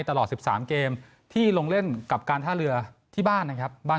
ตลอด๑๓เกมที่ลงเล่นกับการท่าเรือที่บ้านนะครับ